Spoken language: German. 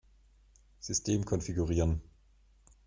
System konfigurieren.